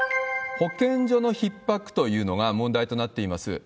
保健所のひっ迫というのが問題となっています。